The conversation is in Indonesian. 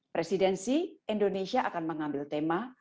presidensi indonesia akan mengambil tema